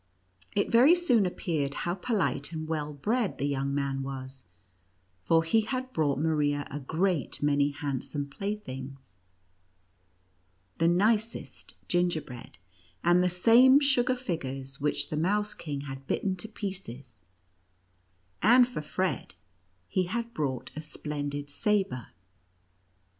It very soon appeared how polite and well bred the young man was, for he had brought Maria a great many handsome playthings — the nicest gingerbread, and the same sugar figures which the Mouse King had bitten to pieces ; and for Fred he had brought a splendid sabre.